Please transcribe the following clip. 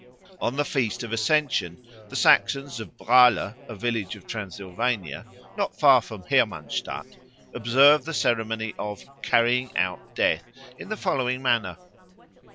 On the Feast of Ascension the Saxons of Braller, a village of Transylvania, not far from Hermannstadt, observe the ceremony of "Carrying out Death" in the following manner.